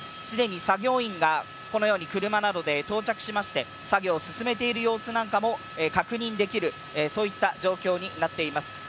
既に作業員がこのように車などで到着しまして作業を進めている様子なども確認できる、そういった状況になっています。